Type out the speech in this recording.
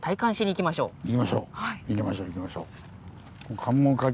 行きましょう行きましょう。